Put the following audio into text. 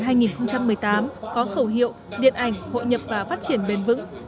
liên hoan phim quốc tế hà nội hai nghìn một mươi tám có khẩu hiệu điện ảnh hội nhập và phát triển bền vững